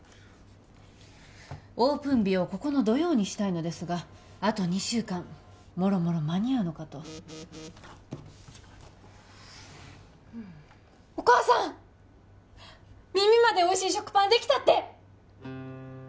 オープン日をここの土曜にしたいのですがあと２週間もろもろ間に合うのかとお母さん耳までおいしい食パンできたって！